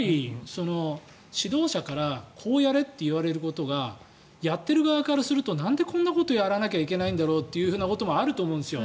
指導者からこうやれと言われることがやっている側からするとなんでこんなことをやらなきゃいけないんだろうってことってあると思うんですよ。